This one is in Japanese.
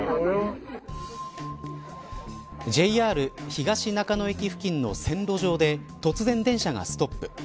ＪＲ東中野駅付近の線路上で突然、電車がストップ。